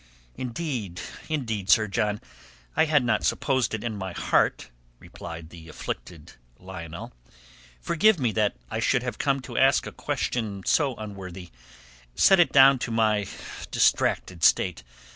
"Indeed, indeed, Sir John, I had not supposed it in my heart," replied the afflicted Lionel. "Forgive me that I should have come to ask a question so unworthy. Set it down to my distracted state.